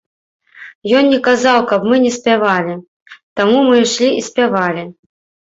Ён не казаў, каб мы не спявалі, таму мы ішлі і спявалі.